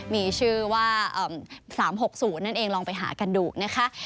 มีชื่อว่า๓๖๐นั่นเองลองไปหากันดูนะคะ